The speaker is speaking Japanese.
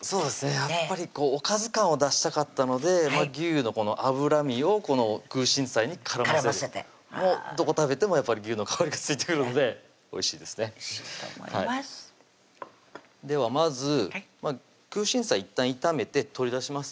やっぱりおかず感を出したかったので牛の脂身をこの空心菜に絡ませる絡ませてもうどこ食べてもやっぱり牛の香りがついてるのでおいしいですねおいしいと思いますではまず空心菜いったん炒めて取り出します